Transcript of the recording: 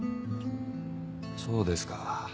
そうですか。